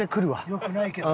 良くないけどな。